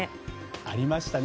ありましたね。